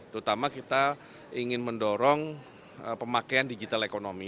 terutama kita ingin mendorong pemakaian digital ekonomi